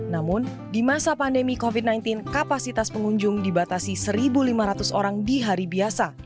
namun di masa pandemi covid sembilan belas kapasitas pengunjung dibatasi satu lima ratus orang di hari biasa